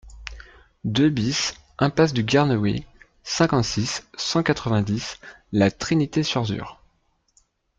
deux BIS impasse du Guernehué, cinquante-six, cent quatre-vingt-dix, La Trinité-Surzur